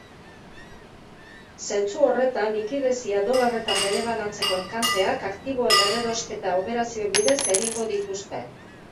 Zentzu horretan, likidezia dolarretan bereganatzeko enkanteak aktiboen berrerosketa operazioen bidez egingo dituzte.